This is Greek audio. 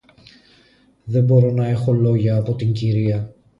Δεν μπορώ να έχω λόγια από την κυρία